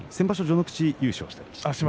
序ノ口優勝しています。